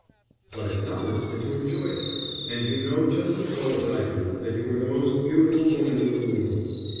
"But acknowledge that you enjoyed it. And you know just as well as I do that you were the most beautiful woman in the room."